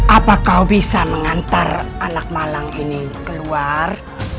apa kau bisa mengantar anak malang ini keluar